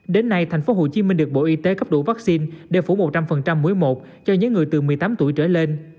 đến nay thành phố hồ chí minh được bộ y tế cấp đủ vaccine để phủ một trăm linh mũi một cho những người từ một mươi tám tuổi trở lên